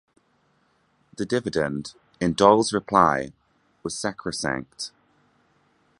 The dividend, in Doyle's reply, was sacrosanct.